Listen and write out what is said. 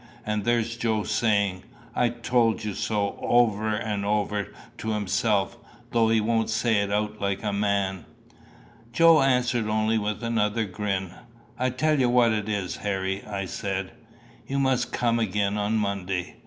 And there's Joe saying, 'I told you so,' over and over to himself, though he won't say it out like a man." Joe answered only with another grin. "I tell you what it is, Harry," I said "you must come again on Monday.